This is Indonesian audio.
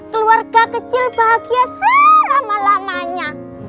keluarga kecil bahagia selama lamanya